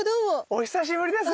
お久しぶりです。